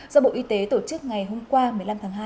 do bộ y tế tổ chức ngày hôm qua một mươi năm tháng hai